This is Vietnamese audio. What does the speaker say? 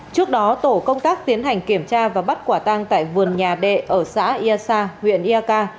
trước đó tổ công tác tiến hành kiểm tra và bắt quả tàng tại vườn nhà đệ ở xã ia sa huyện ia ca